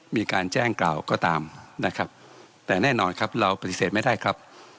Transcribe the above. มีการแจ้งกล่าวก็ตามนะครับแต่แน่นอนครับเราปฏิเสธไม่ได้ครับ